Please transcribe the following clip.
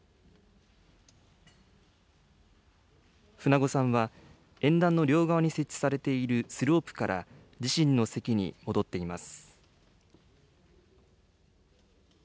舩後さんは、演壇の両側に設置されているスロープから、自身の席に戻っています。